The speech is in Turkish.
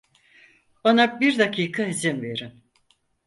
Bana bir dakika izin verin.